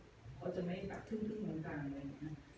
อาจจะไม่แบบทึ่งมนตร์กลางอะไรอย่างนี้นะ